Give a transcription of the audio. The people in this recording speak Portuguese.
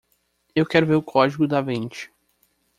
Eu quero ver o código Da Vinci